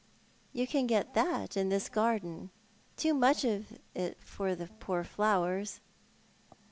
"You can got that in this garden — too much of it for the poor flowers."